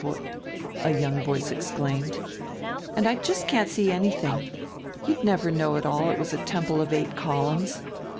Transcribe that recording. a young voice exclaimed, "and I just can't see anything. You'd never know at all it was a temple of eight columns.